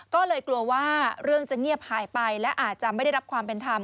ก็เลยกลัวว่าเรื่องจะเงียบหายไปและอาจจะไม่ได้รับความเป็นธรรม